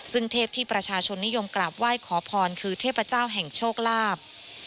ซึ่งเทพที่ประชาชนนิยมกราบไหว้ขอพรคือเทพเจ้าแห่งโชคลาภ